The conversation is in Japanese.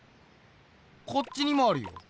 こっちにもあるよ。